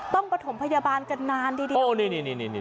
ต้องปฐมพยาบาลกันนาดีนี่